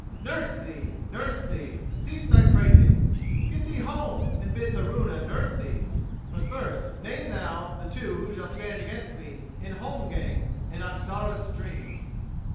Nurse thee! nurse thee! cease thy prating—get thee home, and bid Thorunna nurse thee; but first name thou the two who shall stand against me in holmgang in Oxarà's stream."